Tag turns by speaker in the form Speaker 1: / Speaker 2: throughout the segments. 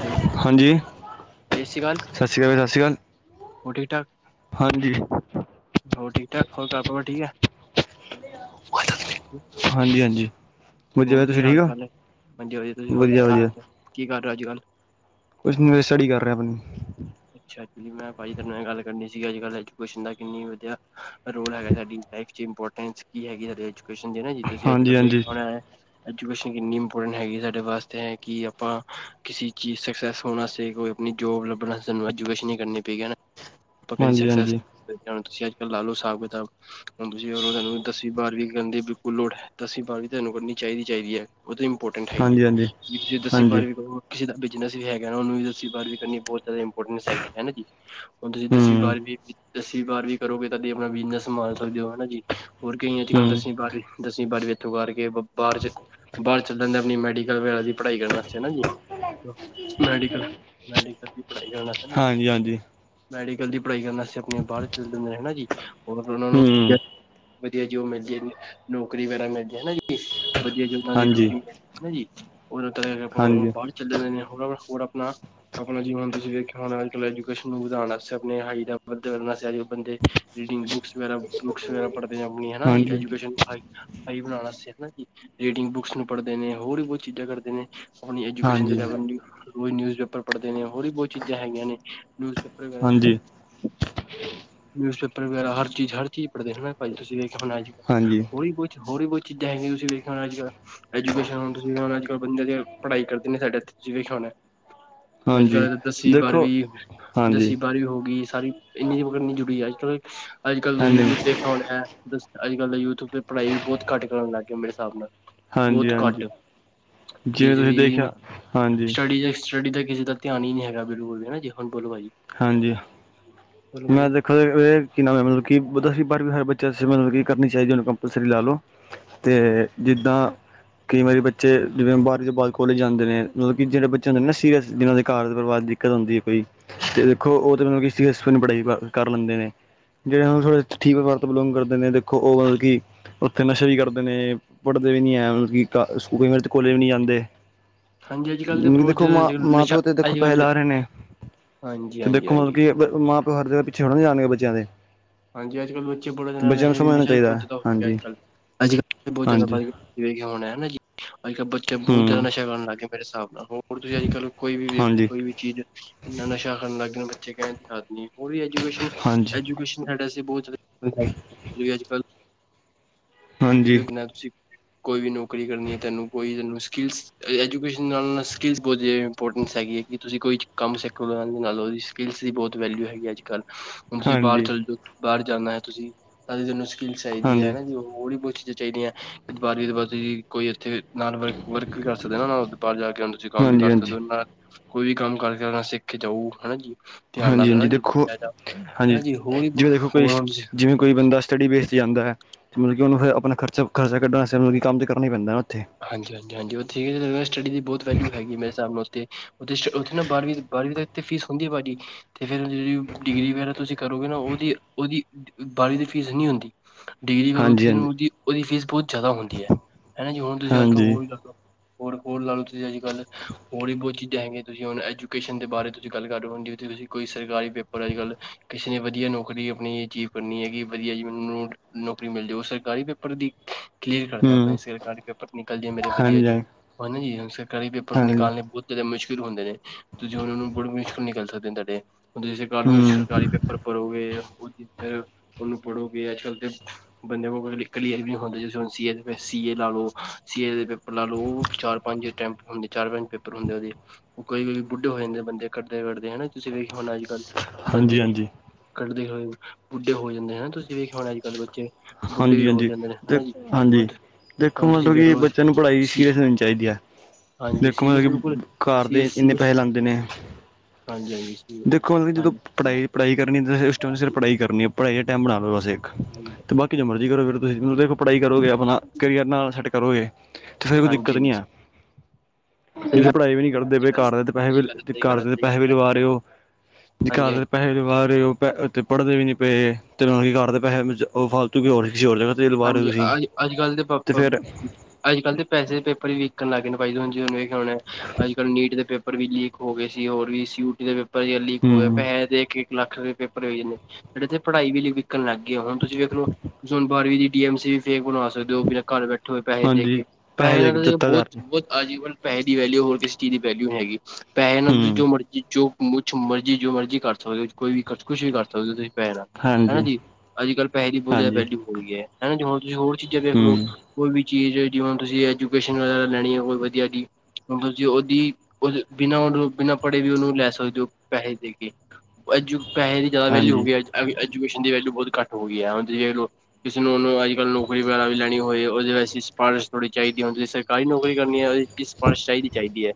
Speaker 1: Hello
Speaker 2: ਹਾਂਜੀ
Speaker 1: ਭਾਅ ਸਤਿ ਸ਼੍ਰੀ ਅਕਾਲ
Speaker 2: ਸਤਿ ਸ਼੍ਰੀ ਅਕਾਲ ਵੀਰੇ, ਸਤਿ ਸ਼੍ਰੀ ਅਕਾਲ
Speaker 1: ਹੋਰ ਠੀਕ ਠਾਕ?
Speaker 2: ਹਾਂਜੀ,
Speaker 1: ਹੋਹੁ ਠੀਕ ਠਾ ਹੋਰ ਘਰ ਪਾ ਠੀਕ ਆ।
Speaker 2: ਹਾਂਜੀ-ਹਾਂਜੀ,
Speaker 1: ਹੋਰ ਕੀ ਹਾਲ ਚਾਲ ਐ, ਹਾਂਜੀ ਹਾਜੀ ਤੁਸੀਂ ਹੋਰ ਕੀ
Speaker 2: ਵਧੀਆ
Speaker 1: ਕਰ
Speaker 2: ਵਧੀਆ
Speaker 1: ਕੀ ਕਰ ਰਹੇ ਅੱਜ ਕੱਲ।
Speaker 2: ਕੁਛ ਨੀ ਸਟੱਡੀ ਕਰ ਰਿਹਾ ਆਪਣੀ,
Speaker 1: ਅੱਛਾ, ਐਕਚੁਲੀ ਮੈ ਜੀ ਤੁਹਾਡੇ ਨਾਲ ਗੱਲ ਕਰਨੀ ਸੀਗੀ, ਅੱਜ ਕੱਲ੍ਹ ਐਜੂਕੇਸ਼ਨ ਦਾ ਕਿੰਨੀ ਵਧੀਆ ਰੋਲ ਹੈਗਾ ਸਾਡੀ ਲਾਈਫ ਚ ਇੰਪੋਰੈਂਸ ਕੀ ਹੈਗੀ, ਸਾਡੀ ਐਜੂਕੇਸ਼ਨ ਦੀ ਨਾ ਜੀ ਤੁਸੀਂ ਅੱਜ
Speaker 2: ਹਾਂਜੀ
Speaker 1: ਕੱਲ
Speaker 2: ਹਾਂਜੀ
Speaker 1: ਵੱਖ ਹੋਣਾ ਐਜੂਕੇਸ਼ਨ ਕਿੰਨੀ ਇੰਪੋਰਟੈਂਟ ਹੈਗੀ ਐ, ਸਾਡੇ ਵਾਸਤੇ ਕਿ ਆਪਾਂ ਕਿਸੇ ਚੀਜ਼ ਸਕਸੈਸ ਹੋਣ ਵਾਸਤੇ ਕੋਈ। ਆਪਣੀ ਜੋਬ ਲੱਭਣਾ ਸਾਨੂੰ ਐਜੂਕੇਸ਼ਨ ਕਰਨੀ ਪਈ, ਜਾ ਨਾ ਆਪਾਂ ਕਦੇ
Speaker 2: ਹਾਂਜੀ
Speaker 1: ਸਕਸੈਸ
Speaker 2: ਹਾਂਜੀ
Speaker 1: ਣ ਤੁਸੀਂ ਅੱਜ ਕੱਲ੍ਹ ਲਓ ਹਿਸਾਬ ਕਿਤਾਬ, ਹਾਂ ਤੁਸੀਂ ਤੁਹਾਨੂੰ ਦਸਵੀ, ਬਾਰਵੀ ਕਰਨ ਦੀ ਬਿਲਕੁਲ ਲੋੜ ਹੈ, ਦਸਵੀ ਬਾਰਵੀਂ ਤੁਹਾਨੂੰ ਕਰਨੀ ਚਾਹੀਦੀ ਚਾਹੀਦੀ ਹੈ। ਉਹ ਤਾਂ ਇੰਪੋਰਟੈਂਟ ਹੈਗੀ ਹੈ,
Speaker 2: ਹਾਂਜੀ
Speaker 1: ਕਿ ਤੁਸੀਂ ਦੱਸਵੀ,
Speaker 2: ਹਾਂਜੀ ਹਾਂਜੀ
Speaker 1: ਵਾਰਵੀ ਵੀ ਕਹੋ। ਕਿਸੇ ਦਾ ਬਿਜਨਸ ਵੀ ਹੈਗਾ, ਨਾ ਉਹਨਾਂ ਨੂੰ ਵੀ ਦੱਸੀ ਬਾਰ ਵੀ ਕਰਨੀ ਬਹੁਤ ਜ਼ਿਆਦਾ ਇੰਪੋਰਟੈਂਟਸ ਹੈਗੀ ਐ ਜੀ। ਹੁਣ ਤੁਸੀਂ ਦਸਵੀਂ
Speaker 2: ਹੂੰ
Speaker 1: -ਬਾਰਵੀਂ ਦਸਵੀ ਬਾਰਵੀਂ ਕਰੋਗੇ ਤੁਡੀ ਆਪਣਾ ਬਿਜਨਸ ਸੰਭਾਲ ਸਕਦੇ ਹੋ ਹਨਾ ਜੀ। ਹੋਰ ਕਿ ਅੱਜ
Speaker 2: ਹੂੰ
Speaker 1: ਕੱਲ ਦੱਸਵੀਂ ਬਾਰਵੀਂ। ਦਸਵੀਂ -ਬਾਰਵੀਂ ਇਥੋਂ ਕਰਕੇ ਬਾਹਰ ਚ ਬਾਹਰ ਚੱਲ ਜਾਂਦੇ ਆਪਣੀ ਮੈਡੀਕਲ ਵਗੈਰਾ ਦੀ ਪੜ੍ਹਾਈ ਕਰਨ ਵਾਸਤੇ ਹਨਾ ਜੀ। ਮੈਡੀਕਲ ਮੈਡੀਕਲ ਦੀ ਪੜ੍ਹਾਈ ਜਾਣਾ ਨਾ ਜੀ।
Speaker 2: ਹਾਂਜੀ ਹਾਂਜੀ
Speaker 1: ਮੈਡੀਕਲ ਦੀ ਪੜ੍ਹਾਈ ਕਰਨ ਵਸ ਆਪਣੇ ਬਾਹਰਦੇ ਹਨਾ ਜੀ ਔਰ ਉਹਨਾਂ ਨੂੰ,
Speaker 2: ਹੂੰ
Speaker 1: ਵਧੀਆ ਜੀ ਮਿਲ ਜਾਏ ਨੌਕਰੀ ਵਗੈਰਾ ਮਿਲ ਜਾ ਹਨਾ ਜੀ। ਵਧੀਆ ਜੀ, ਉਹਨਾਂ ਦੀ
Speaker 2: ਹਾਂਜੀ
Speaker 1: ਡਿਊਟੀ ਜੀ ਉਹ ਆਪ
Speaker 2: ਹਾਂਜੀ ਹਾਂਜੀ
Speaker 1: ਖੇਡਦੇ ਹੋਰ ਹੋਰ ਆਪਣਾ ਆਪਣਾ ਜੀਵਨ ਤੋਂ, ਤੁਸੀਂ ਦੇਖ ਹੋਣਾ, ਅਜੇ ਐਜੂਕੇਸ਼ਨ ਨੂੰ ਵਧਾਣਾ ਆਪਣੇ ਹਾਈ ਦਾ ਵੱਧ ਬੰਦੇ ਰੀਡਿੰਗ ਬੁੱਕਸ ਵਗੈਰਾ। ਬੁਕਸ ਵਗੈਰਾ ਪੜ੍ਹਦੇ ਆਪਣੀ ਹਨਾ,
Speaker 2: ਹਾਂਜੀ ਹਾਂਜੀ
Speaker 1: ਐਜੂਕੇਸ਼ਨ ਹ ਹਾਈ ਬਣਾ ਹਨਾ, ਜੀ ਰੀਡਿੰਗ ਬੁੱਕਸ ਨੂੰ ਪੜ੍ਹਦੇ ਨੇ ਹੋਰ ਵੀ ਬਹੁਤ ਚੀਜ਼ਾਂ ਕਰਦੇ ਨੇ। ਆਪਣੀ ਐਜੂਕੇਸ਼ਨ ਦੇ ਲੈਵਲ ਰੋਜ਼ ਨਿਊਜ਼ ਪੇਪਰ ਪੜ੍ਹਦੇ ਨੇ ਹੋਰ ਵੀ ਬਹੁਤ ਚੀਜ਼ਾਂ ਹੈਗੀਆਂ, ਨੇ ਨਿਊਜ਼ ਪੇਪਰ [inaudible] ਨਿਊਜ਼ਪੇਪਰ ਵਗੈਰਾ ਹਰ ਚੀਜ਼ ਹਰ ਚੀਜ਼ ਪੜ੍ਹਦੇ ਹਨ, ਭਾਜੀ ਤੁਸੀਂ ਵੇਖ ਹੁਣ
Speaker 2: ਹਾਂਜੀ
Speaker 1: ਹੋਰੀ ਬਹੁਤ ਹੋਰੀ ਬਹੁਤ ਚੀਜ਼ਾਂ ਹੈਗੀਆਂ, ਤੁਸੀਂ ਵੇਖਿਆ ਹੋਣਾ ਅੱਜ-ਕੱਲ੍ਹ ਐਜੂਕੇਸ਼ਨ ਤੁਸੀ ਅੱਜ-ਕਲ ਬੰਦੇ ਦੀ ਪੜ੍ਹਾਈ ਕਰਦੇ ਨੇ, ਸਾਡੇੇ ਤੁਸੀਂ
Speaker 2: ਹਾਂਜੀ, ਦੇਖੋ
Speaker 1: ਬਾਰਵੀ,
Speaker 2: ਹਾਂਜੀ
Speaker 1: ਦਸਵੀ। ਹੋ ਗਈ ਸਾਰੀ ਇੰਨੀ ਦੀ ਮਰ ਨੀ ਜੁੜੀ ਅੱਜਕੱਲ ਅੱਜ ਕੱਲ ਤੁਸੀਂ
Speaker 2: ਹਾਂਜੀ
Speaker 1: ਉ ਅੱਜ-ਕੱਲ ਯੂਥਊ ਪੜਾਈ ਵੀ ਬਹੁਤ ਘੱਟ ਕਰਨ ਲਗ ਗਿਆ, ਏ ਮੇਰੇ ਹਿਸਾਬ ਨਾਲ
Speaker 2: ਹਾਂਜੀ
Speaker 1: ਬਹੁਤ
Speaker 2: ਹਾਂਜੀ
Speaker 1: ਘੱਟ
Speaker 2: ਜਿਵੇਂ
Speaker 1: ਕਿਸੇ
Speaker 2: ਤੁਸੀਂ
Speaker 1: ਦੀ
Speaker 2: ਦੇਖਿਆ ਹਾਂਜੀ
Speaker 1: ਸਟਡੀ, ਸਟੱਡੀ ਤਾਂ ਕਿਸੇ ਦਾ ਧਿਆਨ ਆ ਹੀ ਨਹੀਂ ਹੈਗਾ, ਬਿਲਕੁਲ ਕਰ ਹਨਾ ਜੀ, ਹੁਣ ਬੋਲੋ ਭਾਜੀ।
Speaker 2: ਹਾਂਜੀ
Speaker 1: ਬੋਲੋ
Speaker 2: ਮੈਂ,
Speaker 1: ਬੋਲੋ
Speaker 2: ਮਤਲਬ ਦ ਵਾਰਵੀ ਹਰ ਬੱਚਾ ਕਰਨੀ ਚਾਹੀਦੀ ਐ, ਸ਼ਾਨੂੰ ਕਮਪਾਲਸਰੀ ਲਾ ਲਓ। ਤੇ ਜਿੱਦਾਂ, ਕਈ ਵਾਰੀ ਬੱਚੇ ਜਿਵੇਂ, ਬਾਵਰੀ ਤੋਂ ਬਾਅਦ ਕੋਲਜ ਜਾਂਦੇ ਨੇ ਮਤਲਬ ਕਿ ਜਿਹੜੇ ਬੱਚੇ ਹੁੰਦੇ ਨੇ ਨਾ ਸੀਅ ਜਿਨ੍ਹਾਂ ਦੇ ਘਰ ਬਰਬਾਦ ਦਿੱਤ ਆਦੀ ਹੈ ਕੋਈ ਤੇ ਦੇਖੋਲ ਉਹ ਤਾਂ ਮਤਲਬ ਹਸਪ ਪੜਾਈ ਕਰ ਲੈਂਦੇ ਨੇ। ਜਿਹੜੇ ਠੀਕ ਵਰਤ ਬਿਲੋਂਗ ਕਰਦੇ ਨੇ ਦੇਖੋ, ਉਹ ਮਤਲਬ ਕਿ ਉੱਥੇ ਨਸ਼ੇ ਵੀ ਕਰਦੇ ਨੇ ਪੜ੍ਹਦੇ ਵੀ ਨਹੀਂ ਹੈ, ਮਤਲਬ ਕਿ ਕ ਸਕ ਕਈ ਵਾਰੀ ਕੋਲੇਜ ਵੀ ਨਹੀਂ ਜਾਂਦੇ।
Speaker 1: ਹਾਂਜੀ ਅੱਜ ਕੱਲ੍ਹ ਤਾਂ ਬਹੁਤ
Speaker 2: ਦੇਖੋ
Speaker 1: ਜ਼ਿਆਦਾ
Speaker 2: ਮਾਂ-ਮਾਂ
Speaker 1: ਨਸ਼ਾ
Speaker 2: ਪਿਓ ਤੇ ਦੇਖੋ
Speaker 1: ਅੱਜ
Speaker 2: ਪੈਸੇ
Speaker 1: ਕੱਲ੍ਹ
Speaker 2: ਰਹੇ ਨੇ,
Speaker 1: ਹਾਂਜੀ
Speaker 2: ਤੇ
Speaker 1: ਹਾਂਜੀ
Speaker 2: ਦੇਖੋ
Speaker 1: ਹਾਂਜੀ
Speaker 2: ਮਤਲਬ, ਕਿ ਮਾਂ ਪਿਓ ਹਰ ਜਗ੍ਹਾ ਪਿੱਛੇ ਹੋਣ ਜਾਣਗੇ, ਬੱਚਿਆਂ ਦੇ
Speaker 1: ਹਾਂਜੀ ਅੱਜ-ਕੱਲ੍ਹ ਬੱਚੇ ਬੜੇ ਦੇ
Speaker 2: ਤੇ
Speaker 1: ਨਾਲ
Speaker 2: ਬੱਚਿਆਂ ਨੂੰ
Speaker 1: ਨਸ਼ੇ ਵੀ
Speaker 2: ਸਮਝਣਾ
Speaker 1: ਨਸ਼ਾ ਵੀ
Speaker 2: ਚਾਹੀਦਾ
Speaker 1: ਬਹੁਤ
Speaker 2: ਹੈ
Speaker 1: ਜ਼ਿਆਦਾ ਹੋ ਗਿਆ
Speaker 2: ਹਾਂਜੀ
Speaker 1: ਏ, ਅੱਜ-ਕੱਲ ਬਹੁਤ ਜ਼ਿਆਦਾ
Speaker 2: ਹਾਂਜੀ
Speaker 1: ਵੱਧ ਗਿਆ। ਜਿਵੇਂ ਹੁਣਾ ਜੀ ਅੱਜ-ਕੱਲ੍ਹ ਬੱਚਾ ਬਹੁਤ ਜ਼ਿਆਦਾ
Speaker 2: ਹੂੰ
Speaker 1: ਨਸ਼ਾ ਕਰਨ ਲੱਗ ਗਿਆ ਮੇਰੇ ਹਿਸਾਬ ਨਾਲ ਹੋ। ਰ ਤੁਸੀਂ ਅੱਜ-ਕਲ ਕੋਈ ਵਿਅਕਤੀ
Speaker 2: ਹਾਂਜੀ
Speaker 1: ਕੋਈ ਵੀ, ਚੀਜ਼ ਇੰਨਾ ਨਸ਼ਾ ਖਾਣ ਲੱਗ ਜਾਣਾ, ਬੱਚੇ ਕਹਿਣ ਦੀ ਹੱਦ ਨ ਹੋਰ ਵੀ
Speaker 2: ਹਾਂਜੀ
Speaker 1: ਐਜੂਕੇਸ਼ਨ-ਐਜੂਕੇਸ਼ਨ। ਸਾਡੇੇ ਬਹੁਤ ਜ਼ਿਆਦਾ ਹੈ ਵੀ ਅੱਜ-ਕੱਲ੍ਹ,
Speaker 2: ਹਾਂਜੀ ਹਾਂਜੀ
Speaker 1: ਰਨਾ ਸ਼ ਕੋਈ ਵੀ ਨੌਕਰੀ ਕਰਨੀ ਹੈ, ਤੁਹਾਨੂੰ ਕੋਈ ਤੁਹਾਨੂੰ ਸਕਿੱਲਸ ਐਜੂਕੇਸ਼ਨ ਨਾਲ ਨਾਲ ਸਕਿਲਸ ਬਹੁਤ ਜ਼ਿਆ ਇੰਪੋਰਟੈਂਟਸ ਹੈਗੀ ਹੈ। ਕਿ ਤੁਸੀਂ ਕੋਈ ਕੰਮ ਸਿੱਖ ਲਓ, ਉਹ ਦੇ ਨਾਲ ਉਹਦੀ ਸਕਿੱਲਸ ਦੀ ਬਹੁਤ ਵੈਲਿਊ ਹੈਗੀ ਅੱਜ-ਕੱਲ੍ਹ ਹੁਣ ਤੁਸੀਂ ਬਾਹਰ
Speaker 2: ਹਾਂਜੀ
Speaker 1: ਚੱਲ ਜਾ ਬਾਹਰ ਜਾਣਾ ਹੈ, ਤੁਸੀਂ ਤਾਂਦੀ ਤੁਹਾਨੂੰ ਸਕਿਲ ਚਾਹੀਦੀ ਹੈ
Speaker 2: ਹਾਂਜੀ
Speaker 1: ਹਨਾ ਜੀ, ਉਹ ਹੋਰ ਵੀ ਜ਼ਾਂ ਚਾਹੀਦੀਆਂ [inaudible] ਬਾਰੀ ਬ ਕੋਈ ਇੱਥੇ ਨਾਲ ਵਰਕ ਵਰਕ ਵੀ ਕਰ ਸਕਦੇ ਹੋ, ਨਾ ਨਾ ਉਹ ਬਾਹਰ ਜਾ ਕੇ ਉਹ ਤੁਸੀਂ ਕੰਮ ਵੀ
Speaker 2: ਹਾਂਜੀ
Speaker 1: ਕਰ ਸਕਦੇ ਹੋ ਨਾਲ। ਕੋਈ ਵੀ ਕੰਮ ਕਰਕੇ ਸਿੱਖ ਕੇ ਜਾਊ ਹਨਾ ਜੀ। ਧਿਆਨ
Speaker 2: ਹਾਂਜੀ
Speaker 1: ਨਾਲ ਹਨਾ
Speaker 2: ਹਾਂਜੀ,
Speaker 1: ਜੀ
Speaker 2: ਦੇਖੋ
Speaker 1: ਹਨਾ
Speaker 2: ਹਾਂਜੀ
Speaker 1: ਜੀ ਹੋਰ ਹੀ
Speaker 2: ਜਿਵੇਂ ਦੇਖੋ ਕੋਈ
Speaker 1: ਹੋਰ ਹੁਣ ਤੁਸੀਂ
Speaker 2: ਜਿਵੇਂ ਕੋਈ ਬੰਦਾ ਸਟੱਡੀ ਬੇਸ 'ਚ ਜਾਂਦਾ ਹੈ, ਮਤਲਬ ਕਿ ਉਹਨੂੰ ਫਿਰ ਆਪਣਾ ਖਰਾ ਖਰਚਾ ਕੱਢਣ ਵਾਸਤੇ ਮਤਲਬ ਕੰਮ ਤਾਂ ਕਰ ਹੀ ਪੈਂਦਾ ਨਾ ਉੱਥੇ।
Speaker 1: ਹਾਂਜੀ ਹਾਂਜੀ ਹਾਂਜੀ ਉਥੇ ਇਹ ਹੈ ਸਟੱਡੀ ਦੀ ਬਹੁਤ ਵੈਲਊ ਹੈਗੀ ਮੇਰੇ ਸਾਬ ਨਾਲ ਉੱਥ ਉਥੇ ਸਟ ਉੱਥੇ ਨਾ ਬਾਰਵੀ ਬਾਰਵੀ ਤੱਕ ਅਤੇ ਫੀਸ ਹੰਦੀ ਆ ਭਾਜੀ ਤੇ ਫਿਰ ਜਿਹੜੀ ਡਿਗਰੀ ਵਗੈਰਾ ਤੁਸੀਂ ਕਰੋਗੇ ਨਾ, ਉਹਦੀ ਉਹਦੀ ਬਾਹੜੀ ਦੀ ਫੀਸ ਨਹੀਂ ਹੁੰਦੀ। ਡਿਗਰੀ ਕਰੋ
Speaker 2: ਹਾਂਜੀ
Speaker 1: ਨੂੰ
Speaker 2: ਹਾਂਜੀ
Speaker 1: ਉਹਦੀ ਉਹਦੀ ਫੀਸ ਬਹੁਤ ਜ਼ਿਆਦਾ ਹੁੰਦੀ ਹੈ ਹਨਾ ਜੀ, ਹੁਣ ਤੁਸੀਂ ਅੱਜ ਕੱਲ੍ਹ
Speaker 2: ਹਾਂਜੀ
Speaker 1: ਹੋਰ ਹੋ ਹੋਰ ਲ ਤੁਸੀਂ ਅੱਜ-ਕੱਲ ਹੋਰ ਵੀ ਬਹੁਤ ਚੀਜ਼ਾਂ ਹੈਗੀਆਂ, ਤੁਸੀਂ ਹੁਣ ਐਜੂਕੇਸ਼ਨ ਦੇ ਬਾਰੇ ਤੁਸੀਂ ਗੱਲ ਕਰੋ ਹੋਣ ਜਥੇ ਤੁਸੀਂ ਕੋਈ ਸਰਕਾਰੀ ਪੇਪਰ ਅੱਜ-ਕੱਲ੍ਹ ਕਿਸੇ ਨੇ ਵਧੀਆ ਨੌਕਰੀ ਆਪਣੀ ਅਚੀਵ ਕਰਨੀ ਹੈਗੀ ਵਧੀਆ ਜੀਨੂੰ ਨੌਕਰੀ ਮਿਲ ਜਾ ਉਹ ਸਰਕਾਰੀ ਪੇਪਰ ਦੀ, ਕਲੀਅਰ ਕਰਦਾ ਆਪ
Speaker 2: ਹੂੰ
Speaker 1: ਪੇਪਰ ਨਿਕਲ [inaudible] ਜਾ ਮੇਰੇ ਵਧੀਆ
Speaker 2: ਹਾਂਜੀ
Speaker 1: ਜੀ
Speaker 2: ਹਾਂ
Speaker 1: ਜੀ। ਘਰੇ ਪੇਪਰ
Speaker 2: ਹਾਂਜੀ
Speaker 1: ਨਿਕਾਲਣੇ ਬਹੁਤ ਜ਼ਿਆਦਾ ਮੁਸ਼ਕਿਲ ਹੁੰਦੇ ਨੇ, ਤੁਸੀਂ ਹੁਣ ਉਹਨੂੰ ਬੜ ਮੁਸ਼ਕਿਲ ਨਿਕਲ ਸਕਦੇ ਤੁਹਾਡੇ। ਹੁਣ ਸਰਕਾਰ ਸਰਕਾਰੀ
Speaker 2: ਹੂੰ
Speaker 1: ਪੇਪਰ ਭਰੋਗੇ, ਉਹ ਜ ਫੇਰ ਉਹਨੂੰ ਪੜ੍ਹੋਗੇ ਅੱਜ ਕੱਲ੍ਹ ਤੇ ਬੰਦਿਆਂ ਕੋਲਿਕਲੀਏ ਵੀ ਨ ਹੁੰਦੇ ਜਂ ਹੁਣ ਸੀਏ ਸੀ ਏ ਲਾ ਲੋ [inaudible] ਸੀ ਏ ਦੇ ਪੇਪਰ ਲਾ ਲਓ, ਉਹ ਚਾਰ ਪੰਜ ਅਟੈਂਮਟ ਹੁੰਦੇ, ਚਾਰ ਪੰਜ ਪੇਪਰ ਹੁੰਦੇ ਉਹਦੇ। ਉਹ ਕੋਈ ਵੀ ਬੁੱਢੇ ਹੋ ਜਾਂਦੇ ਬੰਦੇ ਕੱਢਦੇ ਕੱਢਦੇ ਹਨਾ, ਤੁਸੀਂ ਵਖੇ ਹੁਣ ਅੱਜ ਕੱਲ?
Speaker 2: ਹਾਂਜੀ
Speaker 1: ਬੰਦੇ
Speaker 2: ਹਾਂਜੀ
Speaker 1: ਕੱਢਦੇ ਹੋਏ ਬੁੱਢੇ ਹੋ ਜਾਂਦੇ ਹਨਾ, ਤੁਸੀਂ ਵੇਖੇ ਹੋ ਅੱਜ ਕੱਲ੍ਹ? ਬੁੱਢੇ ਵੀ
Speaker 2: ਹਾਂਜੀ
Speaker 1: ਹੋ
Speaker 2: ਹਾਂਜੀ
Speaker 1: ਜਾਂਦੇ ਨੇ
Speaker 2: ਤੇ
Speaker 1: ਹਨਾ ਜੀ, ਉਹ
Speaker 2: ਹਾਂਜੀ ਦੇਖੋ ਮਤਲਬ ਕਿ ਬੱਚਿਆਂ ਨੂੰ ਪੜ੍ਹਾਈ ਸੀਰੀਅਸ ਲੈਣੀ ਚਾਹੀਦੀ ਐ।
Speaker 1: ਹਾਂਜੀ
Speaker 2: ਦੇਖੋ
Speaker 1: ਸੀਰੀਅਸ
Speaker 2: ਮਤਲਬ
Speaker 1: ਬਿਲਕੁਲ
Speaker 2: ਕਿ ਘਰ ਦੇ
Speaker 1: ਸੀਰੀਅਸ
Speaker 2: ਇੰਨੇ
Speaker 1: ਸੀਰੀਅਸ
Speaker 2: ਪੈਸੇ ਲਾਦੇ ਨੇ
Speaker 1: ਹਾਂਜੀ ਹਾਂਜੀ ਸੀ
Speaker 2: ਦੇਖੋ ਹੁਣ ਵੀ ਜਦੋਂ
Speaker 1: ਹਾਂਜੀ
Speaker 2: ਪੜ੍ਹਾਈ ਪੜ੍ਹਾਈ ਕਰਨੀ ਉਸ ਟਾਈਮ ਸਿਰਫ਼ ਪੜ੍ਹਾਈ ਕਰਨੀ। ਪੜ੍ਹਾਈ ਦਾ ਟਾਈਮ ਬਣਾ ਲਓ ਬਸ ਇੱਕ
Speaker 1: ਹਾਂਜੀ।
Speaker 2: ਅਤੇ ਬਾਕੀ ਜੋ ਮਰਜ਼ੀ ਕਰੋ ਫਿਰ ਤੁਸੀਂ, ਹੁਣ ਦੇਖੋ ਪੜ੍ਹਾਈ ਕਰੋਗੇ ਆਪਣਾ ਕੈਰੀਅਰ ਨਾਲ ਸੈੱਟ ਕਰੋਗੇ। ਤੇ ਫੇਰ ਕੋਈ ਦਿੱਕਤ
Speaker 1: ਹਾਂਜੀ
Speaker 2: ਨਹੀਂ
Speaker 1: ਹਾਂਜੀ
Speaker 2: ਆ।
Speaker 1: ਸਹੀ
Speaker 2: ਜੇ
Speaker 1: ਗੱਲ
Speaker 2: ਪੜ੍ਹਾਈ ਵੀ ਨੀ ਕਰਦੇ
Speaker 1: ਸਹੀ
Speaker 2: ਪਏ,
Speaker 1: ਗੱਲ
Speaker 2: ਘਰ ਦੇ ਪੈਸੇ ਵੀ
Speaker 1: ਸਹੀ ਗੱਲ ਸਹੀ
Speaker 2: ਘਰ
Speaker 1: ਗੱਲ
Speaker 2: ਤੇ
Speaker 1: ਸਹੀ
Speaker 2: ਪੈੇ ਵੀ
Speaker 1: ਗੱਲ
Speaker 2: ਲਵਾ ਰਹੇ ਹੋ। ਜੇ ਘਰ
Speaker 1: ਹਾਂਜੀ
Speaker 2: ਦੇ ਪੈਸੇ ਵੀ ਲਾਵਾਂ ਰਾਹੇ ਉਹ ਪ ਤੇ ਪੜ੍ਹਦੇ ਵੀ ਨੀ ਪਏ, ਤੇ ਮਤਲਬ ਕੀ ਘਰਦੇ ਪੈਸੇ ਉਹ ਫਾਲਤੂ ਕੀ ਉਹ ਹੋਰ ਕਿਸੀ ਹੋਰ ਜਾਗ
Speaker 1: ਹਾਂਜੀ ਅ ਅੱਜ ਕੱਲ ਦੇ ਪਾ ਅੱਜ ਕੱਲ ਤੇ ਪੈਸੇ ਪੇਪਰ ਵੀਕਣ ਲੱਗਗੇ ਨੇ, ਭਾਈ ਹੁਣ ਇਹਣਾ ਅੱਜ ਕੱਲ ਨੀਟ ਦੇ ਪੇ ਪਰ ਵੀ ਲੀਕ ਹੋ ਗਏ ਸੀ, ਹੋਰ ਵੀ ਸੀਉਟੀ ਦੇ ਪੇਪਰ ਲੀਕ ਹੋ ਗਿਆ
Speaker 2: ਹੂੰ
Speaker 1: ਪੈਹੈ ਦੇ ਲੱਖ ਰੁਪਏ ਪੇਪਰ ਹੋ ਜਾਂਦੇ, ਇੱਥੇ ਪੜ੍ਹਾਈ ਵੀ ਵਿਕਣ ਲੱਗ ਗਈ, ਹੁਣ ਤੁਸੀਂ ਵੇਖ ਲੋ ਤੁਸੀਂ ਬਾਰਵੀਂ ਦੀ ਡਮ ਵੀ ਫੇਕ ਬਣਾ ਸਕਦੇ ਹੋ ਉਹ ਬਿਨਾਂ ਘਰ ਬੈਠੇ ਹੋਏ ਪੈਸੇ ਦੇ
Speaker 2: ਹਾਂਜੀ
Speaker 1: ਕੇ ਪੈਸੇ
Speaker 2: ਦੇ
Speaker 1: ਨਾਲ
Speaker 2: ਕੇ
Speaker 1: ਤਾਂ
Speaker 2: ਪਚੱਤਰ ਹਜ਼ਾਰ
Speaker 1: ਬਹੁਤ ਬਹੁ [unintelligible] ਆਜੀਵਲ ਪੈਸੇ ਦੀ ਵੈਲਿਊ ਹੋਰ ਕਿਸੇ ਚੀਜ਼ ਦੀ ਵੈਲਿਊ ਨੀ ਹੈਗੀ, ਪੈਸੇ ਨਾਲ ਤੁਸੀਂ
Speaker 2: ਹੂੰ
Speaker 1: ਜੋ ਮਰਜ਼ੀ ਜੋ ਕੁਛ ਮਰਜ਼ੀ ਜੋ ਮਰਜ਼ੀ ਕਰ ਸਕਦੇ ਹੋ, ਕੋਈ ਵੀ ਕੁਛ ਵੀ ਕਰ ਸਕਦੇ ਹੋ ਤੁਸੀਂ। ਪੈਣਾ ਹਨਾ
Speaker 2: ਹਾਂਜੀ
Speaker 1: ਜੀ, ਅੱਜ ਕੱਲ੍ਹ ਪੈਸੇ ਦੀ ਬਹੁਤ ਜ਼ਿਆਦਾ
Speaker 2: ਹਾਂਜੀ
Speaker 1: ਵੈਲਿਊ ਹੋ ਗਈ ਐ, ਹਨਾ ਜੀ ਹੁਣ ਤੁਸੀਂ ਹੋਰ ਚੀਜ਼ਾਂ ਵੇਖ ਲੋ
Speaker 2: ਹੂੰ
Speaker 1: ਕੋਈ ਵੀ ਚੀਜ਼ ਜਿਵੇਂ ਤੁਸੀਂ ਐਜੂਕੇਸ਼ਨ ਵਗੈਰਾ ਲੈਣੀ ਐ, ਕੋਈ ਵਧੀਆ ਜੀ ਹੁਣ ਤੁਸੀਂ ਉਹਦੀ ਉਹ ਬਿਨਾਂ ਉਹਨੂੰ ਬਿਨਾਂ ਪੜ੍ਹੇ ਵੀ ਉਹਨੂੰ ਲੈ ਸਕਦੇ ਹੋ ਪੈਸੇ ਦੇ ਕੇ। ਐਜੂ ਪੈਸੇ ਦੀ ਜ਼ਿਆਦਾ ਵੈਲਿਊ ਹੋ
Speaker 2: ਹਾਂਜੀ
Speaker 1: ਗਈ ਐਜੂਕੇਸ਼ਨ ਦੀ ਵੈਲਿਊ ਬਹੁਤ ਘੱਟ ਹੋ ਗਈ ਐ, ਹੁਣ ਤੁਸੀਂ ਵੇਖ ਲੋ ਜਿਨੂੰ ਨੂੰ ਅੱਜ ਕੱਲ ਨੌਕਰੀ ਵਗੈਰਾ ਵੀ ਲੈਣੀ ਹੋਏ, ਉਹਦੇ ਵੈਸ ਹੀ ਸਕਾਲਰਸ਼ਿਪ ਥੋੜੀ ਚਾਹੀਦੀ ਆ, ਦੀ ਸਰਕਾਰੀ ਨੌਕਰੀ ਕਰਨੀ ਹੈ ਉਹਦੇ ਪਾਰਸ਼ ਚਾਹੀਦੀ ਚਾਹੀਦੀ ਐ,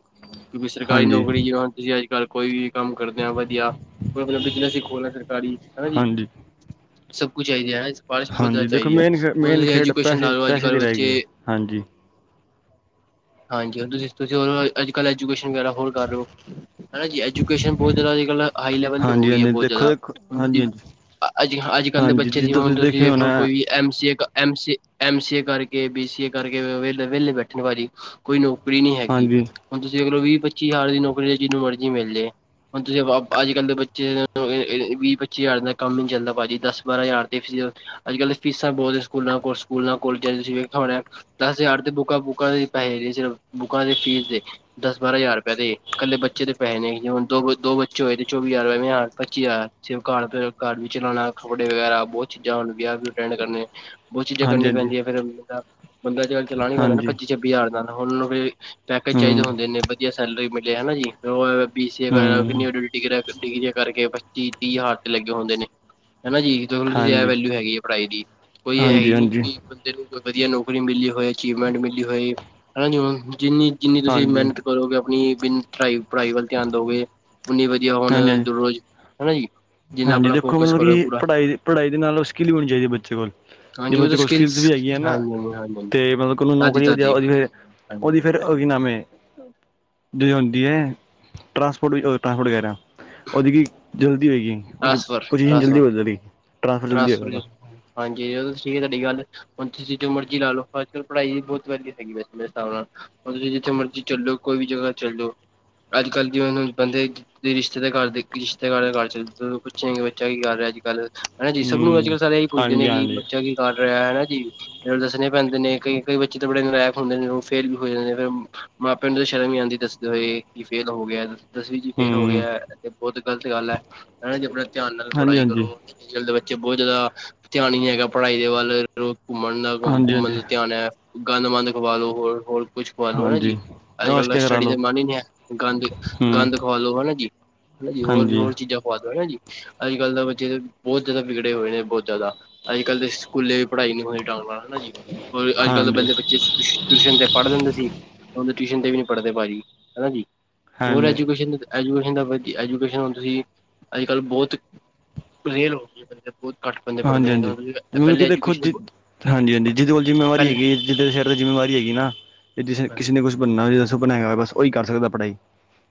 Speaker 1: ਕਿਉਂਕਿ ਸਰਕਾਰੀ
Speaker 2: ਹਾਂਜੀ
Speaker 1: ਨੌਕਰੀ ਜਿ ਤੁਸੀਂ ਅੱਜ ਕੱਲ ਕੋਈ ਵੀ ਕੰਮ ਕਰਦੇ ਆ ਵਧੀਆ ਮਤਲਬ ਬਿਜਨਸ ਹੀ ਖੋਲਣਾ ਸਰਕਾਰੀ ਹਨਾ ਜੀ
Speaker 2: ਹਾਂਜੀ
Speaker 1: ਸਭ ਕੁਛ ਚਾਹੀਦਾ ਐ, ਸਪਾਰਸ ਬਹੁਤ ਜ਼ਿਆਦਾ
Speaker 2: ਹਾਂਜੀ ਦੇਖੋ
Speaker 1: ਹੁਣ
Speaker 2: ਮੇਨ ਮੇਨ
Speaker 1: ਤੁਸੀਂ
Speaker 2: ਖੇਡ
Speaker 1: ਐਜੂਕੇਸ਼ਨ ਲਾ
Speaker 2: ਪੈਸੇ
Speaker 1: ਲਓ, ਅੱਜ
Speaker 2: ਪੈਸੇ
Speaker 1: ਕੱਲ
Speaker 2: ਦੀ ਰਹਿ ਗਈ ਹੈ।
Speaker 1: ਬੱਚੇ
Speaker 2: ਹਾਂਜੀ
Speaker 1: ਹਾਂਜੀ, ਹੁਣ ਤੁਸੀਂ ਹੋ ਅੱਜ ਕੱਲ੍ਹ ਐਜੂਕੇਸ਼ਨ ਵਗੈਰਾ ਹੋਰ ਕਰ ਲੋ ਹਾਂਜੀ ਐਜੂਕੇਸ਼ਨ ਬਹੁਤ ਜ਼ਿਆਦਾ ਅੱਜ ਕੱਲ ਹਾਈ ਲੈਵਲ ਤੇ ਹੋ
Speaker 2: ਹਾਂਜੀ
Speaker 1: ਗਈ ਹੈ
Speaker 2: ਹਾਂਜੀ
Speaker 1: ਬਹੁਤ
Speaker 2: ਦੇਖੋ
Speaker 1: ਜ਼ਿਆਦਾ
Speaker 2: ਦੇਖੋ
Speaker 1: ਹੁੱਣ
Speaker 2: ਹਾਂਜੀ ਹਾਂਜੀ
Speaker 1: ਅੱਜ ਅੱਜ ਕੱਲ ਦੇ
Speaker 2: ਹਾਂਜੀ
Speaker 1: ਬੱਚੇ ਜਿਵੇਂ
Speaker 2: ਜਿੱਦਾਂ
Speaker 1: ਹੁਣ ਤੁਸੀਂ
Speaker 2: ਦੇਖਿਆ
Speaker 1: ਵੇਖ
Speaker 2: ਹੋਣਾ
Speaker 1: ਲਵੋ ਐਮ ਸੀਏ ਐਮ ਸੀਨੇ ਕਰਕੇ ਬੀਸੀਏ ਕਰਕੇ ਵਿਹਲੇ ਵਿਹਲੇ ਬੈਠੇ ਭਾਜੀ ਕੋਈ ਨੌਕਰੀ ਨਹੀਂ ਹੈਗੀ
Speaker 2: ਹਾਂਜੀ
Speaker 1: ਹੁਣ ਤੁਸੀਂ ਅੱਗਰ ਵੀਹ ਪੱਚੀ ਹਜ਼ਾਰ ਦੀ ਨੌਕਰੀ ਲਈ ਜਿਹਨੂੰ ਮਰਜ਼ੀ ਮਿਲ ਜਾਏ ਹੁਣ ਤੁਸੀਂ ਅੱਜ ਕੱਲ ਦੇ ਬੱਚੇ ਵੀਹ ਪੱਚੀ ਹਜ਼ਾਰ ਦਾ ਕੰਮ ਨੀ ਚੱਲਦਾ ਭਾਜੀ ਦਸ ਬਾਰਾਂ ਹਜ਼ਾਰ ਅੱਜ ਕੱਲ੍ਹ ਫੀਸਾਂ ਬਹੁਤ ਸਕੂਲਾਂ ਕੋਲ ਸਕੂਲ ਕੋਲ ਜਾਂ ਤੁਸੀਂ ਵੇਖਿਆ ਹੋਣਾ ਦੱਸ ਹਜ਼ਾਰ ਦੇ ਬੁੱਕਾਂ ਬੁੱਕਾਂ ਦੇ ਪੈਸੇ ਸ ਬੁੱਕਾਂ ਦੀ ਫੀਸ ਦੇ ਦੱਸ ਬਾਰਾਂ ਹਜ਼ਾਰ ਰੁਪਇਆ ਦੇ ਇਕੱਲੇ ਬੱਚੇ ਤੇ ਪੈੇਏ ਨੇ ਹੁ ਦੋ ਦੋ ਬੱਚੇ ਹੋਏ ਚੌਵੀ ਹਜ਼ਾਰ ਪੱਚੀ ਹਜ਼ਾਰ ਸਿਰਫ ਘਰ ਘਰ ਵੀ ਚਲਾਉਣਾ ਕੱਪੜੇ ਵਗੈਰਾ ਬਹੁੱਤ ਚੀਜ਼ਾਂ ਵਿਆਹ ਅਟੈਂਡ ਕਰਨੇ ਬਹੁਤ ਚੀਜ਼ਾਂ
Speaker 2: ਹਾਂਜੀ
Speaker 1: ਕਰਨੀਆਂ
Speaker 2: ਹਾਂਜੀ
Speaker 1: ਪੈਂਦੀਆਂ ਫਿਰ ਬੰਦਾ ਅੱਜ ਕੱਲ ਚਲਾਣਾ ਪੈਂਦਾ ਨਾ
Speaker 2: ਹਾਂਜੀ
Speaker 1: ਪੱਚੀ ਬੀ ਹਰ ਨੂੰ ਪੈਕੇਜ ਚਾਹੀਦੇ
Speaker 2: ਹਮ
Speaker 1: ਹੁੰਦੇ ਨੇ ਵਧੀਆ ਸੈਲਰੀ ਮਿਲੇ ਹਨਾ ਜੀ ਬੀ ਸੀ
Speaker 2: ਹਮ
Speaker 1: ਡਿਗ ਡਿਗਰੀਆਂ ਕਰਕੇ ਬੱਸ ਤੀ ਤੀਹ ਹੱਥ ਲੱਗੇ ਹੁੰਦੇ ਨੇ, ਹਨਾ ਜੀ। ਜਦੋਂ ਤੁਸੀਂ ਇਹ
Speaker 2: ਹਾਂਜੀ
Speaker 1: ਵੈਲਿਊ ਹੈਗੀ ਹੈ ਪੜ੍ਹਾਈ ਦੀ ਕੋਈ ਇਹ ਹੈ
Speaker 2: ਹਾਂਜੀ ਹਾਂਜੀ
Speaker 1: ਹੀ ਨੀ
Speaker 2: ਹਾਂਜੀ
Speaker 1: ਕਿ ਬੰਦੇ ਨੂੰ ਕੋਈ ਵਧੀਆ ਨੌਕਰੀ ਮਿਲੀ ਹੋਏ ਅਚੀਵਮੈਂਟ ਮਿਲੀ ਹੋਏ, ਹੈਨਾ ਜੀ, ਹੁਣ ਜਿੰਨੀ ਜਿੰਨੀ ਤੁਸੀਂ
Speaker 2: ਹਾਂਜੀ
Speaker 1: ਮਿਹਨਤ ਕਰੋਗੇ ਆਪਣੀ ਬਿਨ ਪੜ੍ਹਾਈ ਪੜ੍ਹਾਈ ਵੱਲ ਧਿਆਨ ਦਓਗੇ ਉਨੀ ਵਧੀਆਂ ਹੋਣ
Speaker 2: ਹਾਂਜੀ
Speaker 1: ਦੁਰ ਰੋਜ਼ ਹਨਾ ਜੀ, ਜਿੰਨਾ
Speaker 2: ਹਾਂਜੀ
Speaker 1: ਆਪਣਾ
Speaker 2: ਦੇਖੋ
Speaker 1: ਫੋਕਸ
Speaker 2: ਮਤਲਬ
Speaker 1: ਕਰੋ
Speaker 2: ਕਿ
Speaker 1: ਪੂਰਾ।
Speaker 2: ਪੜ੍ਹਾਈ ਪੜ੍ਹਾਈ ਦੇ ਨਾਲ ਸਕੀਲ ਹੀ ਹੋਣੀ ਚਾਹੀਦੀ ਬੱਚੇ ਕੋਲ ਜੇ
Speaker 1: ਹਾਂਜੀ ਉਹਦਾ
Speaker 2: ਬੱਚੇ ਕੋਲ ਸਕਿੱਲਸ ਵੀ ਹੈਗੀ ਆ ਨਾ
Speaker 1: ਹਾਂਜੀ ਹਾਂਜੀ ਹਾਂਜੀ ਹਾਂਜੀ
Speaker 2: ਤੇ ਮੱਤਲਬ ਨੂੰ
Speaker 1: ਦਾਦੀ
Speaker 2: ਨੌਕਰੀ ਵੀ ਜਾ
Speaker 1: ਦਾਦੀ ਹਾਂਜੀ
Speaker 2: ਉਹਦੀ
Speaker 1: ਹਾਂਜੀ
Speaker 2: ਫਿਰ
Speaker 1: ਹਾਂਜੀ
Speaker 2: ਉਹ ਕੀ ਨਾਂਮ ਹੇ ਜੋਂ ਆਉਂਦੀ ਹੈ ਟਰਾਂਸਪੋਰਟ ਟਰਾਂਸਪੋਰਟ ਕਿਹ ਰਿਹਾ ਹਾਂ ਉਹਦੀ ਕੀ ਜਲਦੀ ਹੋਏਗੀ ਉਹਦੀ
Speaker 1: ਟ੍ਰਾਂਸਫਰ
Speaker 2: ਪਜੀਸ਼ਨ
Speaker 1: ਟ੍ਰਾਂਸਫਰ
Speaker 2: ਜਲਦੀ ਟਰਾਂਸਫਰ ਜਲਦੀ
Speaker 1: ਟ੍ਰਾਂਸਫਰ
Speaker 2: ਹੋਗਾ
Speaker 1: ਹਾਂਜੀ ਇਹ ਠੀਕ ਹੈ ਤੁਹਾਡੀ ਗੱਲ ਹੁਣ ਤੁਸੀਂ ਜੋ ਮਰਜ਼ੀ ਲਾਓ ਅਜ ਕੱਲ੍ਹ ਪੜ੍ਹਾਈ ਬਹੁੱਤ ਵਧੀਆ ਹੈਗੀ ਵੈਸੇ ਮੇਰੇ ਹਿਸਾਬ ਨਾਲ ਹੁਣ ਤੁਸੀਂ ਜਿੱਥੇ ਮਰਜ਼ੀ ਚੱਲੇ ਜਾਉ ਕੋਈ ਵੀ ਜਗ੍ਹਾ ਚੱਲ ਜਾਓ ਅੱਜ ਕੱਲ੍ਹ ਦੀ ਉਹਨੂੰ ਬੰਦੇ ਦੇ ਰਿਸ਼ਤੇ ਦੇ ਘਰ ਦੇਖ ਰਿਸ਼ਤੇਦਾਰ ਘਰ ਚੱਲ ਪੁੱਛੇ ਕਿ ਬੱਚਾ ਕੀ ਕਰ ਰਿਹਾ ਅੱਜ ਕੱਲ ਹਨਾ ਜੀ ਸੱਭ ਨੂੰ ਅੱਜ
Speaker 2: ਹੂੰ
Speaker 1: ਕੱਲ ਸਾਰੇ ਹੀ ਪੁੱਛਦੇ
Speaker 2: ਹਾਂਜੀ
Speaker 1: ਨੇ ਕਿ
Speaker 2: ਹਾਂਜੀ
Speaker 1: ਬੱਚਾ ਕੀ ਕਰ ਰਿਹਾ ਹੈ ਨਾ ਜੀ ਫਿਰ ਦੱਸਣੇ ਪੈਂਦੇ ਨੇ ਕਈ ਕਈ ਬੱਚੇ ਤਾਂ ਬੜੇ ਨਲਾਇਕ ਹੁੰਦੇ ਨੇ ਉਹ ਫੇਲ ਵੀ ਹੋ ਜਾਂਦੇ ਨੇ ਫਿਰ ਮਾਪਿਆਂ ਨੂੰ ਤਾਂ ਸ਼ਰਮ ਹੀ ਆਂਦੀ ਦੱਸਦੇ ਹੋਏ ਕਿ ਫੇਲ ਹੋ ਗਿਆ ਦਸਵੀਂ ਵਿਚ ਫੇਲ ਹੋ
Speaker 2: ਹੂੰ
Speaker 1: ਗਿਆ ਤੇ ਬਹੁੱਤ ਗ਼ਲਤ ਗੱਲ ਹੈ ਨਾਂ ਜੀ ਆਪਣੇ ਧਿਆਨ ਨਾਲ
Speaker 2: ਹਾਂਜੀ
Speaker 1: ਪੜ੍ਹਾਈ
Speaker 2: ਹਾਂਜੀ
Speaker 1: ਕਰੋ ਅੱਜ ਕੱਲ ਦੇ ਬੱਚੇ ਬਹੁਤ ਜਿਆਦਾ ਧਿਆਨ ਹੀ ਨਹੀਂ ਹੈਗਾ ਪੜ੍ਹਾਈ ਦੇ ਵੱਲ ਰੋਜ਼ ਘੁੰਮਣ ਦਾ
Speaker 2: ਹਾਂਜੀ
Speaker 1: ਘੁੰਮਣ
Speaker 2: ਹਾਂਜੀ
Speaker 1: ਦਾ ਧਿਆਨ ਹੈ ਗੰਦ ਮੰੰਦ ਖਵਾ ਲੋ ਹੋਰ ਹੋਰ ਕੁੱਛ ਖਵਾ ਲੋ ਹਨਾ ਜੀ
Speaker 2: ਹਾਂਜੀ
Speaker 1: ਅੱਜ ਕੱਲ ਦਾ
Speaker 2: ਆਸ਼ਕੀਆ ਕਰਾ
Speaker 1: ਸਟੱਡੀ ਦਾ
Speaker 2: ਲਓ
Speaker 1: ਮਨ ਹੀ ਨਹੀਂ ਹੈ ਗੰਦ
Speaker 2: ਹੂੰ
Speaker 1: ਗੰਦ ਖਵਾ ਲੋ ਹਨਾ ਜੀ ਹਨਾ ਜੀ ਹੋਰ ਵੀ
Speaker 2: ਹਾਂਜੀ ਹਾਂਜੀ
Speaker 1: ਹੋਰ ਚੀਜ਼ਾਂ ਖਵਾ ਦੋ ਹਨਾ ਜੀ ਅੱਜ ਕੱਲ੍ਹ ਦੇ ਬੱਚੇ ਬਹੁਤ ਜ਼ਿਆਦਾ ਵਿਗੜੇ ਹੋਏ ਨੇ ਬਹੁਤ ਜ਼ਿਆਦਾ ਅੱਜ ਕੱਲ੍ਹ ਦੇ ਸਕੂਲੇ ਵੀ ਪੜ੍ਹਾਈ ਨੀ ਹੋਣੀ ਢੰਗ ਨਾਲ ਹਨਾ ਜੀ ਅੱਜ ਕੱਲ ਤਾਂ
Speaker 2: ਹਾਂਜੀ
Speaker 1: ਬਹਿੰਦੇ ਬੱਚੇ ਟਿਊਸ਼ਨ 'ਤੇ ਪੜ੍ਹ ਲਿੰਦੇ ਸੀ ਉਹ ਟਿਊਸ਼ਨ 'ਤੇ ਵੀ ਨਹੀਂ ਪੜ੍ਹਦੇ ਭਾਜੀ ਹੈ ਨਾ ਜੀ ਹੋਰ
Speaker 2: ਹਾਂਜੀ
Speaker 1: ਐਜੂਕੇਸ਼ਨ ਦੇ ਐਜੂਕੇਸ਼ਨ ਦਾ ਵਧੀ ਐਜੂਕੇਸ਼ਨ ਹੁਣ ਤੁਸੀਂ ਅੱਜ ਕੱਲ੍ਹ ਬਹੁਤ ਰੇਰ ਹੋ ਗਈ ਹੈ ਬਹੁਤ ਘੱਟ ਬੰਦੇ ਪੜ੍ਹਦੇ
Speaker 2: ਹਾਂਜੀ
Speaker 1: ਨੇ
Speaker 2: ਹਾਂਜੀ ਹੁਣ ਕੀ
Speaker 1: ਪਹਿਲੇ
Speaker 2: ਦੇਖੋ
Speaker 1: ਐਜੂਕੇਸ਼ਨ
Speaker 2: ਜੀ ਹਾਂਜੀ ਹਾਂਜੀ ਜਿੱਹਦੇ ਕੋਲ ਜਿੰਮੇਵਾਰੀ
Speaker 1: ਪਹਿਲੇ
Speaker 2: ਹੈਗੀ ਜਿੱਹਦੇ ਸਿਰ ਤੇ ਜਿੰਮੇਵਾਰੀ ਹੈਗੀ ਨਾ ਜਿਸੇ ਕਿਸੇ ਨੇ ਕੁਛ ਬਣਨਾ ਹੋ ਜੋ ਸੁਪਨਾ ਹੇਗਾ ਬੱਸ ਉਹੀ ਕਰ ਸਕਦਾ ਪੜ੍ਹਾਈ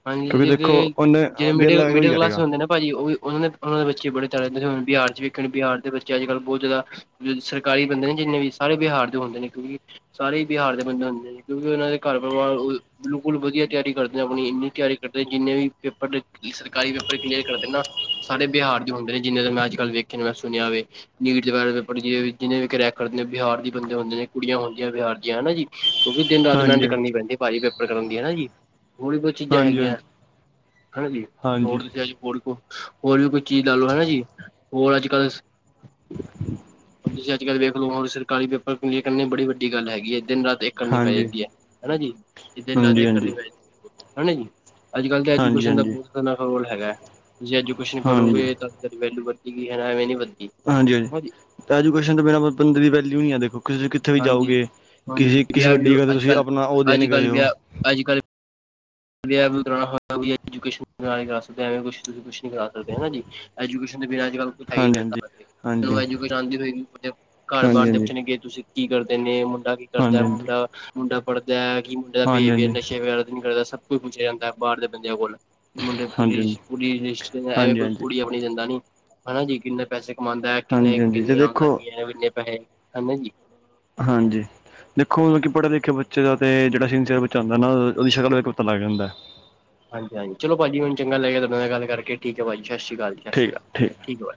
Speaker 1: ਹਾਂਜੀ
Speaker 2: ਕਿਉਂਕਿ ਦੇਖੋ
Speaker 1: ਜਿਹੜੇ
Speaker 2: ਉਹਨੇ
Speaker 1: ਜਿਹੜੇ
Speaker 2: ਦਿਲ
Speaker 1: ਮਿਡਲ
Speaker 2: ਲਗਾ ਕੇ ਉਹੀ
Speaker 1: ਮਿਡਲ ਕਲਾਸ
Speaker 2: ਕਰੇਗਾ
Speaker 1: ਹੁੰਦੇ ਨੇ ਭਾਜੀ ਉਹ ਵੀ ਉਹ ਉਹ ਦੇ ਬੱਚੇ ਬੜੇ ਤੁ ਬਹ ਚ ਵੇਖਣ ਬਿਹਾਰ ਦੇ ਬੱਚ ਅੱਜ ਕੱਲ੍ਹ ਬਹੁਤ ਜ਼ਿਆਦਾ ਸਰਕਾਰੀ ਬੰਦੇ ਨੇ ਜਿੰਨੇ ਵੀ ਸਾਰੇ ਬਿਹਾਰ ਦੇ ਹੁੰਦੇ ਨੇ ਕਿਉਂਕਿ ਸਾਰੇ ਹੀ ਬਿਹਾਰ ਦੇ ਬੰਦੇ ਹੁੰਦੇ ਨੇ ਕਿਉਂਕਿ ਉਹਨਾਂ ਦੇ ਘਰ ਪਰਿਵਾਰ ਬਿਲਕੁਲ ਵਧੀਆ ਤਿਆਰੀ ਕਰਦੇ ਨੇ ਆਪਣੀ ਇੰਨੀ ਤਿਆਰੀ ਕਰਦੇ ਜਿੰਨੇ ਵੀ ਪੇਪਰ ਸਰਕਾਰੀ ਪੇਪਰ ਕਲੀਅਰ ਕਰਦੇ ਨਾ ਸਾਡੇ ਬਿਹਾਰ ਦੇ ਹੁੰਦੇ ਨੇ ਜਿੰਨੇ ਦਾ ਮੈਂ ਅੱਜ ਕੱਲ ਵੇਖਿਆ ਨੂੰ ਮੈਂ ਸੁਣਿਆ ਹੋਵੇ ਨੀਟ ਦੇ ਬਾਰੇ ਜਿਹਨੇ ਵੀ ਰਿਆ ਕਰਦੇ ਨੇ ਬਿਹਾਰ ਦੇ ਬੰਦੇ ਹੁੰਦੇ ਨੇ ਕੁੜੀਆਂ ਹੁੰਦੀਆਂ ਬਿਹਾਰ ਦੀਆਂ ਹਨਾ ਜੀ ਕਿਉਂਕਿ ਦਿਨ ਰਾਤ
Speaker 2: ਹਾਂਜੀ
Speaker 1: ਮਿਹਨਤ
Speaker 2: ਹਾਂਜੀ
Speaker 1: ਕਰਨੀ ਪੈਂਦੀ ਭਾਜੀ ਪੇਪਰ ਕਰਨ ਦੀ ਹਨਾ ਜੀ ਥੋੜੀ ਬਹੁੱਤ ਚੀਜ਼ਾਂ
Speaker 2: ਹਾਂਜੀ
Speaker 1: ਹੈਗੀਆਂ
Speaker 2: ਹਾਂਜੀ
Speaker 1: ਹਨਾ ਜੀ
Speaker 2: ਹਾਂਜੀ
Speaker 1: ਹੋਰ ਦੱਸਿਆ ਹੋਰ ਹੋਰ ਵੀ ਚੀਜ਼ ਲਾ ਲੋ, ਹਨਾ ਜੀ? ਹੋਰ ਅੱਜ ਕੱਲ
Speaker 2: [inaudible]
Speaker 1: ਤੁਸੀਂ ਅੱਜ ਕੱਲ ਵੇਖ ਲੋ ਹੁਣ ਸਰਕਾਰੀ ਪੇਪਰ [unintelligible] ਕਰਨੇ ਬੜੀ ਵੱਡੀ ਗੱਲ ਹੈਗੀ ਏ ਦਿਨ ਰਾਤ ਕਰਨੀ ਪੈ
Speaker 2: ਹਾਂਜੀ
Speaker 1: ਜਾਂਦੀ ਹੈ, ਹਨਾ ਜੀ? ਦਿਨ ਰਾਤ
Speaker 2: ਹਾਂਜੀ
Speaker 1: ਇੱਕ ਕਰਨੀ
Speaker 2: ਹਾਂਜੀ
Speaker 1: ਪੈ ਜਾਂ ਹਨਾ ਜੀ? ਅੱਜ ਕੱਲ੍ਹ ਤੇ
Speaker 2: ਹਾਂਜੀ
Speaker 1: ਐਜੂਕੇਸ਼ਨ ਦਾ
Speaker 2: ਹਾਂਜੀ
Speaker 1: ਬਹੁਤ [unintelligible] ਰੋਲ ਹੈਗਾ, ਜੇ ਐਜੂਕੇਸ਼ਨ
Speaker 2: ਹਾਂਜੀ
Speaker 1: ਕਰੋਗੇ
Speaker 2: ਹਾਂਜੀ
Speaker 1: ਵੈਲਿਊ ਵੱਧਦੀ ਗਈ ਹਨਾ, ਐਵੇਂ ਨੀ ਵੱਧਦੀ।
Speaker 2: ਹਾਂਜੀ-ਹਾਂਜੀ, ਐਜੂਕੇਸ਼ਨ ਦੇ ਬਿਨਾਂ ਬੰਦੇ ਦੀ ਵੈਲਿਊ ਨਹੀਂ ਹੈ, ਦੇਖੋ ਤੁਸੀਂ ਕਿੱਥੇ ਵੀ
Speaker 1: ਹਾਂਜੀ
Speaker 2: ਜਾਓਗੇ
Speaker 1: ਹੁਣ ਤੁਸੀਂ
Speaker 2: ਕਿਸੀ-ਕਿਸੀ
Speaker 1: ਵਿਆਹ ਵੀ
Speaker 2: ਵੱਡੀ ਜਗ੍ਹਾ
Speaker 1: ਅੱਜ
Speaker 2: ਤੁਸੀਂ
Speaker 1: ਕੱਲ
Speaker 2: ਆਪਣਾ ਉਹ
Speaker 1: ਅੱਜ
Speaker 2: ਦੇਣ
Speaker 1: ਕੱਲ
Speaker 2: ਗਏ ਹੋ।
Speaker 1: ਅੱਜ ਕੱਲ ਵਿਆਹ ਵਿਊ ਕਰਾਣਾ ਹੋ [unintelligible] ਐਜੂਕੇਸ਼ਨ ਨਾਲ ਕਰਾ ਸਕਦੇ, ਐਵੇਂ ਕੁਛ ਤੁਸੀਂ ਕੁਛ ਨਹੀਂ ਕਰਾ ਸਕਦੇ। ਹਨਾ ਜੀ? ਐਜੂਕੇਸ਼ਨ ਦੇ ਵੀ ਅੱਜ ਕੱਲ੍ਹ
Speaker 2: ਹਾਂਜੀ ਹਾਂਜੀ ਹਾਂਜੀ
Speaker 1: ਐਜੂਕੇਸ਼ਨ ਆਉਂਦੀ ਨਹੀਂ ਹੋਵੇਗੀ ਘਰ ਬਾਹਰ
Speaker 2: ਹਾਂਜੀ
Speaker 1: ਦੇ
Speaker 2: ਹਾਂਜੀ
Speaker 1: ਗਏ ਤੁਸੀਂ ਕੀ ਕਰਦੇ ਨੇ ਮੁੰਡਾ ਕੀ ਕਰਦਾ
Speaker 2: ਹਾਂਜੀ ਹਾਂਜੀ
Speaker 1: ਮੁੰਡਾ ਮੁੰਡਾ ਪੜਦਾ ਕੀ ਮੁੰਡਾ ਬਿਹੇਵੀਅਰ
Speaker 2: ਹਾਂਜੀ
Speaker 1: ਨਸ਼ੇ ਵਗੈਰਾ ਨ ਕਰਦਾ ਸੱਭ ਕੁੱਛ ਪੁੱਛਿਆ ਜਾਂਦਾ ਬਾਹਰ ਦੇ ਬੰਦਿਆਂ ਕੋਲ ਮੁੰਡੇ
Speaker 2: ਹਾਂਜੀ ਹਾਂਜੀ ਹਾਂਜੀ
Speaker 1: ਪੁਲਿਸ ਪੁਲਿਸ ਰਿਸ਼ਤੇ ਐਵੇਂ ਕੋਈ
Speaker 2: ਹਾਂਜੀ
Speaker 1: ਕੁੜੀਆਂ ਆਪਣੀ ਦਿੰਦਾ ਨੀ ਹਨਾ ਜੀ ਕਿੰਨਾ ਪੈਸੇ ਕਮਾਉਂਦਾ ਹੈ ਕਿੰਨੇ,
Speaker 2: ਹਾਂਜੀ ਹਾਂਜੀ ਤੇ
Speaker 1: ਕਿੰਨੀ ਆਮਦਨ,
Speaker 2: ਦੇਖੋ
Speaker 1: ਕਿੰਨੇ ਪੈਸੇ ਹਨਾ ਜੀ।
Speaker 2: ਹਾਂਜੀ। ਦੇਖੋ ਮਤਲਬ ਕਿ ਪੜ੍ਹੇ ਲਿਖੇ ਬੱਚੇ ਦਾ ਤੇ ਜਿਹੜਾ ਸਿੰਸੇਅਰ ਬੱਚਾ ਹੁੰਦਾ ਨਾ, ਉਹਦੀ ਸ਼ਕਲ ਵੇਖ ਕੇ ਪਤਾ ਲੱਗ ਜਾਂਦਾ ਹੈ।
Speaker 1: ਹਾਂਜੀ-ਹਾਂਜੀ, ਚਲੋ ਭਾਜੀ ਮੈਨੂੰ ਚੰਗਾ ਲੱਗਿਆ ਤੁਹਾਡੇ ਨਾਲ ਗੱਲ ਕਰਕੇ, ਠੀਕ ਏ ਭਾਜੀ ਸਤਿ ਸ੍ਰੀ ਅਕਾਲ ਸਤਿ ਸ਼੍ਰੀ ਅਕਾਲ। ਠੀਕ, ਹੈ ਭਾ